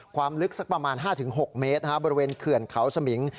ความลึกสักประมาณ๕๖เมตรบริเวณเขื่อนเขาสมิง